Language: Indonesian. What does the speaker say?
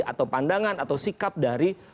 atau pandangan atau sikap dari